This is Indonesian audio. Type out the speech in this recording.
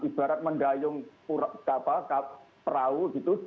ibarat mendayung perahu